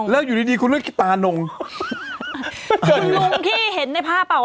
แล้วอยู่ดีดีคุณเรื่องกินตานงคุณลุงพี่เห็นในภาพอ่ะ